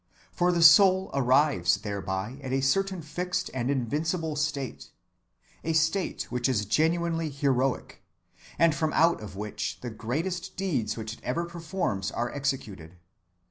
For the soul arrives thereby at a certain fixed and invincible state, a state which is genuinely heroic, and from out of which the greatest deeds which it ever performs are executed.